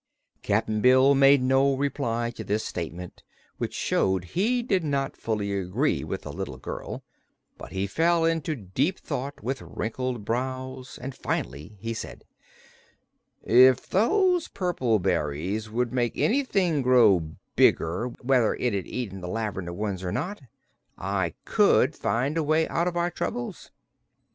Cap'n Bill made no reply to this statement, which showed he did not fully agree with the little girl; but he fell into deep thought, with wrinkled brows, and finally he said: "If those purple berries would make anything grow bigger, whether it'd eaten the lavender ones or not, I could find a way out of our troubles."